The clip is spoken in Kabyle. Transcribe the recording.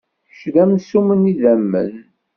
Kečč d amsumm n yidammen?